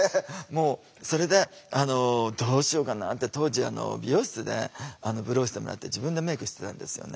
もうそれで「どうしようかな」って当時美容室でブローしてもらって自分でメイクしてたんですよね。